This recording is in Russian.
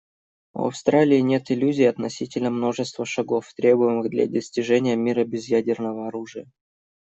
У Австралии нет иллюзий относительно множества шагов, требуемых для достижения мира без ядерного оружия.